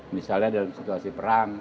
misalnya dalam situasi perang